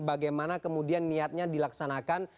bagaimana kemudian niatnya dilaksanakan